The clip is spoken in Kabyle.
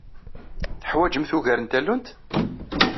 Teḥwajemt ugar n tallunt?